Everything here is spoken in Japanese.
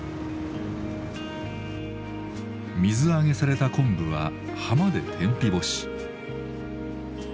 水揚げされた昆布は浜で天日干し。